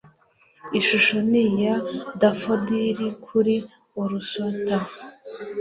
Ishusho ni ya dafodili kuri Ullswater